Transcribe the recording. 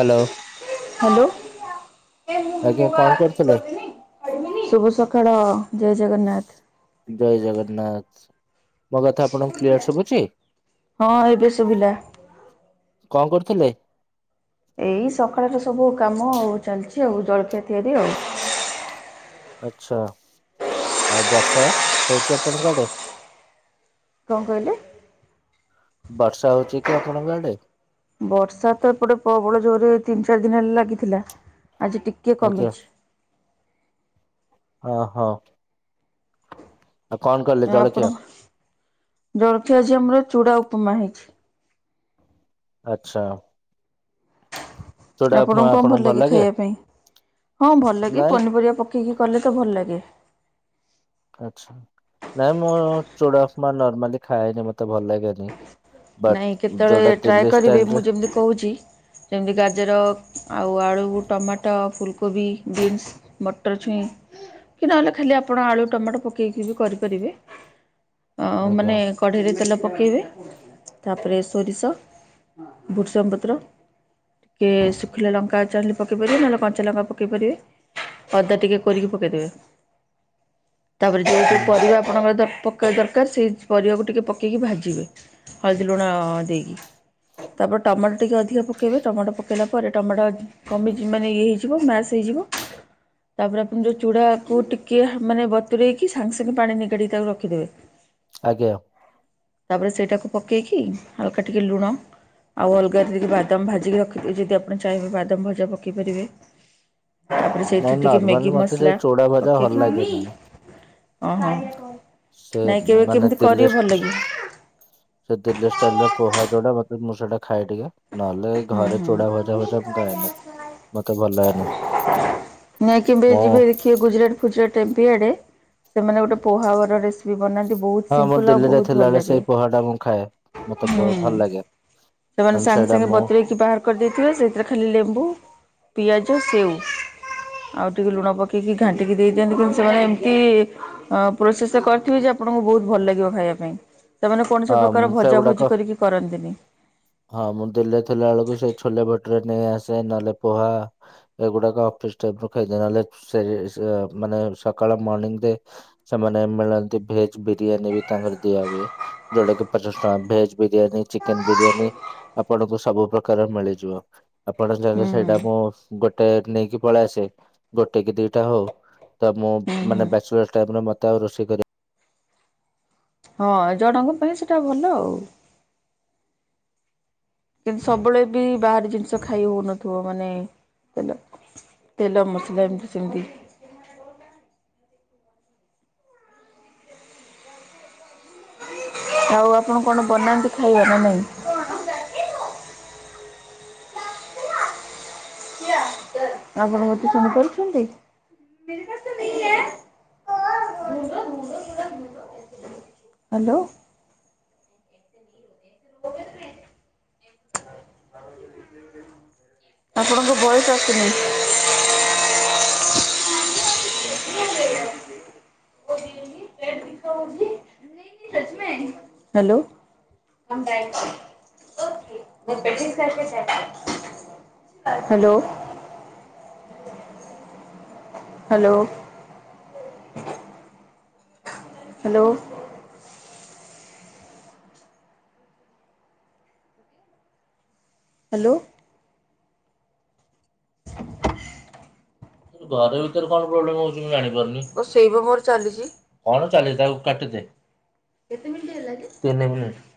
Hello. Hello. ଆଜ୍ଞା କଣ କରୁଥିଲେ? ଶୁଭ ସକାଳ, ଜୟ ଜଗନ୍ନାଥ। ଜୟ ଜଗନ୍ନାଥ। ମୋ କଥା ଆପଣଙ୍କୁ କ୍ଲିୟର ସଭୁଚି? ହଁ ଏବେ ଶୁଭିଲା। କଣ୍ କରୁଥିଲେ? ଏଇ ସକାଳର ସବୁ କାମ ଆଉ ଚାଲିଛି ଆଉ ଜଳଖିଆ ତିଆରି ଆଉ। ଆଚ୍ଛା ଆଉ ବର୍ଷା ହୋଉଚି ଆପଣଙ୍କ ଆଡେ? କଣ କହିଲେ? ବର୍ଷା ହୋଉଚି କି ଆପଣଙ୍କ ଆଡେ? ବର୍ଷା ତ ଏପଟେ ପ୍ରବଳ ଜୋର୍ରେ ତିନି ଚାରି ଦିନ୍ ହେଲା ଲାଗିଥିଲା ଆଜି ଟିକେ ଆଜ୍ଞା କମିଛି। ଅ ହଁ। କଲ୍ କର ଆଉ ଆପଣଙ୍କ ଜଳଖିଆ ଆଜି ଆମର ଚୁଡ଼ା ଉପମା ହେଇଛି। ଆଚ୍ଛା। ଚୁଡା ଉପମା ଆପଣଙ୍କୁ କଣ ଭଲ୍ ଭଲ ଲାଗେ ଖାଇବା ପାଇଁ, ହଁ ଭଲ ଲାଗେ ନାଇଁ ପନିପରିବା ପକେଇକି କଲେ ତ ଭଲ ଲାଗେ। ଆଛା, ନାଇଁ ମୁଁ ଚୁଡ଼ା ଉପମା ନର୍ମାଲି ଖାଏନି ମତେ ଭଲ ଲାଗେନି। ବଟ୍ ନାଇଁ ଯୋଉଟା କେତେବେଳେ ଟ୍ରାଏ ଦିଲ୍ଲୀ କରିବେ ଷ୍ଟାଇଲରେ ମୁଁ ଯେମିତି କହୁଛି। ଯେମିତି ଗାଜର ଆଉ ଆଳୁ, ଟମାଟ, ଫୁଲକୋବି, ବିଟ୍। ମଟର ଛୁଇଁ କି ନହେଲେ ଖାଲି ଆପଣ ଆଳୁ, ଟମାଟ ପକେଇକି ବି କରିପାରିବେ। ଆଉ ଆଜ୍ଞା ମାନେ କଢେଇରେ ତେଲ ପକେଇବେ। ତାପରେ ସୋରିଷ, ଭୁସଙ୍ଗ ପତ୍ର। କିଏ ଶୁଖିଲା ଲଙ୍କା ଚାହିଁଲେ ପକେଇ ପାରିବେ, ନହେଲେ କଞ୍ଚା ଲଙ୍କା ପକେଇ ପାରିବେ। ଅଦା ଟିକେ କୋରୀକି ପକେଇଦେବେ। ତାପରେ ଯୋଉ ଯୋଉ ହୁଁ ପରିବା ଆପଣଙ୍କର ଦର ପକେଇବା ଦରକାର ସେଇ ପରିବାକୁ ଟିକେ ପକେଇକି ଭାଜିବେ। ହଳଦୀ ଲୁଣ ଦେଇକି। ତାପରେ ଟମାଟୋ ଟିକେ ଅଧିକା ପକେଇବେ ଟମାଟୋ ପକାଇଲା ପରେ ଟମାଟୋ କମି ଯିବ ମାନେ ଇଏ ହେଇଯିବ ମାସ ହେଇଯିବ। [inaudible] ତାପରେ ଆପଣ ଯୋଉ ଚୁଡ଼ାକୁ ଟିକେ ମାନେ ବତୁରେଇକି ସାଙ୍ଗେ ସାଙ୍ଗେ ପାଣି ନିଗାଡ଼ିକି ରଖିଦେବେ। ଆଜ୍ଞା। ତାପରେ ସେଇଟାକୁ ପକେଇକି ହାଲ୍କା ଟିକେ ଲୁଣ ଆଉ ଅଲଗା ଯଦି ବାଦାମ ଭାଜିକି ରଖି ଦେ ଯଦି ଆପଣ ଚାହିଁବେ ବାଦାମ ଭଜା ପକାଇ ପାରିବେ। ନାଇଁ ସେଇଥୀରେ ଟିକେ ନର୍ମାଲି ମେଗି ମତେ ସେ ମସଲା ଚୁଡା ଭଜା ଭଲ ପକେଇକି ଲାଗେନି। ଅ ହଁ ସେ ନାଇଁ କେବେ ମାନେ କେମିତି କରିବେ ଦିଲ୍ଲୀ ଭଲ ଲାଗିବ। ସେ ତେଲିଆ ଷ୍ଟାଇଲୀ ର ପୋ ହାଇଡ୍ରଟା ମୋତେ ମୁଁ ଖାଏ ଟିକେ। ନହେଲେ ଘରେ ଚୁଡ଼ା ଭଜା ଭଜା ମୁଁ ଖାଏନି ହୁଁ ହୁଁ ମତେ ଭଲ ଲାଗେନି। ନାଇଁ କିବେ ମୁଁ ଯିବେ ଦେଖିବେ ଗୁଜୁରାଟ୍ ଫୁଜୁରାଟ୍ ଏମ ପି ଆଡେ ସେମାନେ ଗୋଟେ ପୋହାବର ରେସିପି ବନାନ୍ତି। ଦେଖିବେ ବୋହୁତ୍ ହଁ ମୁଁ ସିମ୍ପୁଲ୍ ଆଉ ଦିଲ୍ଲୀରେ ବୋହୁତ୍ ଭଲ ଥିଲାବେଳେ ଲାଗେ। ସେଇ ପୋହା ଟା ମୁଁ ଖାଏ ମତେ ହୁଁ। ଭଲ ଲାଗେ ସେମାନେ କାରଣ ସାଙ୍ଗେ ସେଇଟା ସାଙ୍ଗେ ମୁଁ ବତୁରେଇକି ବାହାର କରିଦେଇଥିବେ। ସେଥିରେଖାଲି ଲେମ୍ବୁ ପିଆଜ ସେଉ ଆଉ ଟିକେ ଲୁଣ ପକେଇକି ଘାଣ୍ଟିକି ଦେଇ ଦିଅନ୍ତି। କିନ୍ତୁ ସେମାନେ ଏମିତି ଅ ପ୍ରୋସେସ୍ ରେ କରିଥିବି ଯେ ଆପଣଙ୍କୁ ବୋହୁତ୍ ଭଲ ଲାଗିବ ଖାଇବା ପାଇଁ। ସେମାନେ କୌଣସି ହଁ ପ୍ରକାର ମୁଁ ସେଗୁଡାକ ଭଜାଭୋଜି କରିକି କରନ୍ତିନି। ହଁ ମୁଁ ଦିଲ୍ଲୀରେ ଥିଲା ବେଳକୁ ସେ ଛୋଲେ ଭୋଟ୍ ରେ ନେଇ ଆସେ। ନହେଲେ ପୋହା ଏଗୁଡ଼ାକ ଅଫିସ୍ ଟାଇଫ୍ ରୁ ଖାଇ ଦିଏ ନହେଲେ ସେ ସେଇଆ ମାନେ ସକାଳ ମର୍ନିଙ୍ଗୀ ରେ ସେମାନେ ମିଳନ୍ତି ଭେଜ୍ ବିରିୟାନୀ ବି ତାଙ୍କର ଦିଆ ହୁଏ। ଯୋଉଟା କି ପଚାଶ ଟଙ୍କା ଭେଜ୍ ବିରିୟାନୀ ଚିକେନ୍ ବିରିୟାନି ଆପଣଙ୍କୁ ସବୁ ପ୍ରକାର ମିଳିଯିବ। ଆପଣ ଚାହିଁଲେ ହୁଁ ସେଇଟା ମୁଁ ଗୋଟେ ନେଇକି ପଳେଇ ଆସେ। ଗୋଟେ କି ଦିଟା ହଉ ତ ମୁଁ ହୁଁ ହୁଁ ମାନେ ବ୍ୟାଚଲର ଟାଇମ୍ ରେ ମତେ ଆଉ ରୋଷେଇ କରିବା ହଁ ଜଣଙ୍କ ପାଇଁ ସେଟା ଭଲ ଆଉ। କିନ୍ତୁ ସବୁବେଳେ ବି ବାହାର ଜିନିଷ ଖାଇ ହଉନଥିବ ମାନେ ତେଲ ତେଲ ମସଲା ଏମିତି ସେମିତି। ଆଉ ଆପଣ କଣ ବନାନ୍ତି ଖାଇବା ନାଇଁ? ଆପଣ ମୋତେ ଚିନିପାରୁଚନ୍ତି? [unintelligible] ହ୍ୟାଲୋ। ରହ [unintelligible] ଆପଣଙ୍କ ଭୟସ ଆସିୁନି। ଓ ରିଏଲୀ। [unintelligible] ହ୍ୟାଲୋ। ମୁଁେଠି ତ ଯ [unintelligible] ହଲୋ ହ୍ୟାଲୋ। ହ୍ୟାଲୋ। ହାଲୋ। [inaudible] ଘର ଭିତରେ କଣ ପ୍ରୋବ୍ଲେମ୍ ହୋଉଚି ମୁଁ ଜାଣି ପାରୁନି? ଓଃ ସେଇ ପା ମୋର ଚାଲିଛି। କଣ ଚାଲିଛି ତାକୁ କାଟି ଦେ କେତେ ମିନିଟ୍ ହେଲା କି? ତିନି ମିନିଟ୍।